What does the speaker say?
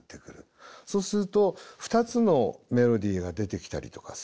そうすると２つのメロディーが出てきたりとかする。